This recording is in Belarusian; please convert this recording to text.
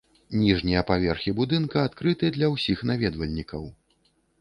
Ніжнія паверхі будынка адкрыты для ўсіх наведвальнікаў.